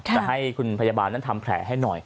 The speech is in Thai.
จะให้คุณพยาบาลนั้นทำแผลให้หน่อย